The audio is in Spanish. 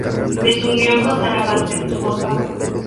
De su unión con Sara Vásquez, tuvo a Pablo.